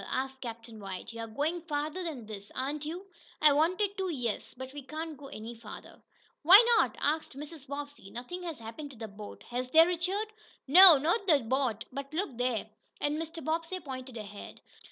asked Captain White. "You're going farther than this; aren't you?" "I wanted to, yes. But we can't go any farther." "Why not?" asked Mrs. Bobbsey. "Nothing has happened to the boat, has there, Richard?" "No, not to the boat. But look there!" and Mr. Bobbsey pointed ahead.